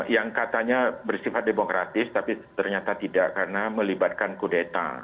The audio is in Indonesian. yang katanya bersifat demokratis tapi ternyata tidak karena melibatkan kudeta